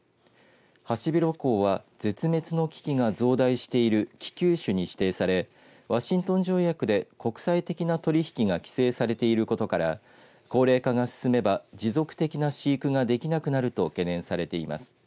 ハシビロコウは絶滅の危機が増大している危急種に指定されワシントン条約で国際的な取り引きが規制されていることから高齢化が進めば、持続的な飼育ができなくなると懸念されています。